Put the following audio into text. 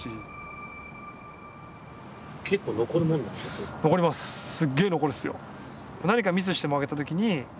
僕はすっげえ残るっすよ。